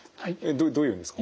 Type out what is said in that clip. どういうのですか？